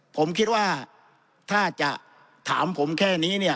ผมคิดว่าถ้าจะถามผมแค่นี้